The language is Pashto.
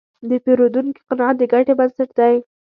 د پیرودونکي قناعت د ګټې بنسټ دی.